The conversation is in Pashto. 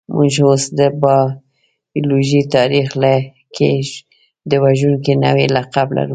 موږ اوس د بایولوژۍ تاریخ کې د وژونکي نوعې لقب لرو.